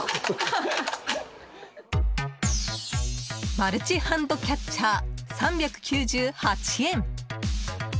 マルチハンドキャッチャー３９８円。